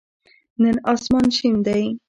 نن آسمان شین دی